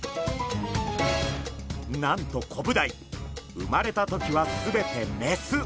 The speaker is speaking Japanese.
なんとコブダイ生まれた時は全てメス！